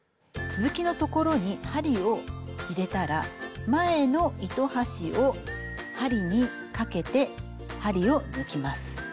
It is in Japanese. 続きの所に針を入れたら前の糸端を針にかけて針を抜きます。